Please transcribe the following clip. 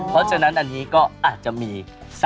เพราะฉะนั้นอันนี้ก็อาจจะมี